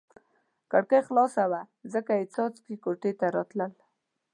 کړکۍ خلاصه وه ځکه یې څاڅکي کوټې ته راتلل.